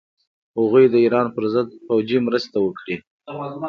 هغوی د ایران پر ضد پوځي مرسته وکړي.